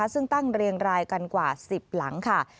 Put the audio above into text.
ซึ่งตั้งเรียงรายกันกว่า๑๐หลังค่ะ